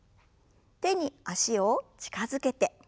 手に脚を近づけて。